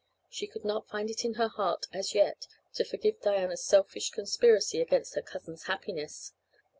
She could not find it in her heart as yet to forgive Diana's selfish conspiracy against her cousin's happiness.